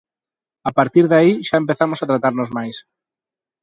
A partir de aí xa empezamos a tratarnos máis.